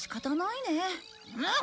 うん。